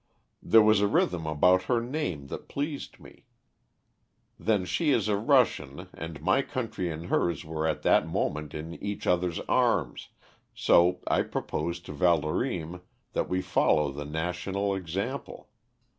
There was a rhythm about her name that pleased me. Then she is a Russian, and my country and hers were at that moment in each other's arms, so I proposed to Valdorême that we follow the national example.